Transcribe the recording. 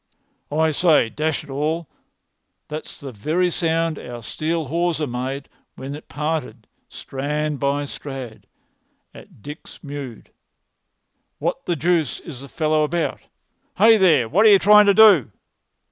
"I say, dash it all, that's the very sound our steel hawser made when it parted, strand by strand, at Dix mude. What the deuce is the fellow about? Hey, there! what are you trying to do?"